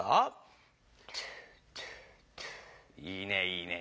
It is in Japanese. いいね。